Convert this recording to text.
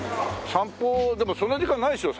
『散歩』でもそんな時間ないでしょ